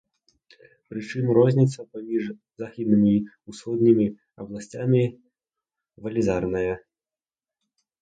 Прычым розніца паміж заходнімі і ўсходнімі абласцямі велізарная.